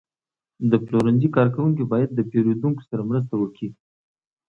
د پلورنځي کارکوونکي باید د پیرودونکو سره مرسته وکړي.